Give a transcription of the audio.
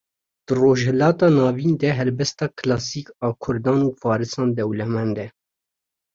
Di rojhilata navîn de helbesta kilasîk a Kurdan û farisan dewlemend e